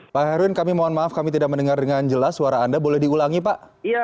pak herwin kami mohon maaf kami tidak mendengar dengan jelas suara anda boleh diulangi pak